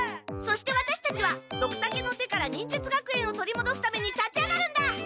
そしてワタシたちはドクタケの手から忍術学園をとりもどすために立ち上がるんだ！